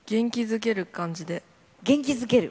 元気づける。